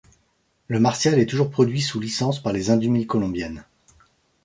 Le Martial est toujours produit sous licence par les Indumil colombiennes.